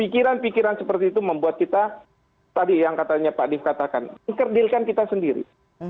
tidak boleh seperti itu membuat kita tadi yang katanya pak dev katakan dikerdilkan kita sendiri